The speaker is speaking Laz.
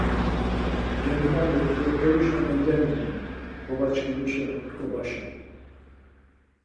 Gendğani doxtorişa mendemionu, babaçkimişen t̆ǩobaşa.